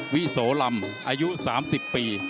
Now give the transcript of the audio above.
วิโสลำอายุ๓๐ปี